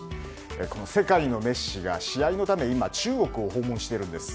この世界のメッシが試合のため今、中国を訪問しているんです。